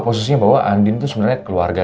khususnya bahwa andin tuh sebenarnya keluarga